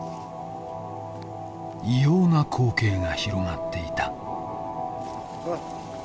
異様な光景が広がっていた。